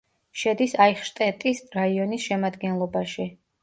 შედის აიხშტეტის რაიონის შემადგენლობაში.